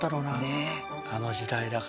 ねえあの時代だから。